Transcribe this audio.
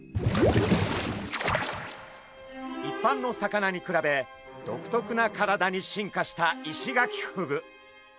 一般の魚に比べ独特な体に進化したイシガキフグ。